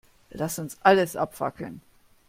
Lass uns alles abfackeln.